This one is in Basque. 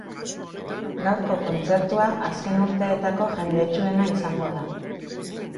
Gaurko kontzertua azken urteetako jendetsuena izango da.